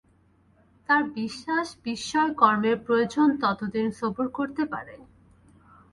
তার বিশ্বাস বিষয়কর্মের প্রয়োজন ততদিন সবুর করতে পারে।